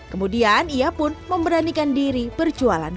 kemudian ia pun memberanikan diri berjualan